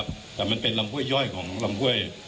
คุณผู้ชมไปฟังผู้ว่ารัฐกาลจังหวัดเชียงรายแถลงตอนนี้ค่ะ